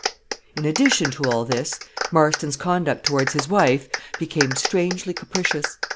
In addition to all this, Marston's conduct towards his wife became strangely capricious.